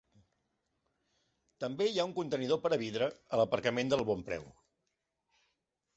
També hi ha un contenidor per a vidre a l'aparcament del Bonpreu.